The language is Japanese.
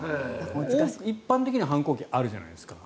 一般的には反抗期があるじゃないですか。